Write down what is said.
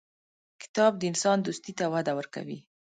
کتاب د انسان دوستي ته وده ورکوي.